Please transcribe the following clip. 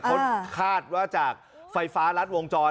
เขาคาดว่าจากไฟฟ้ารัดวงจร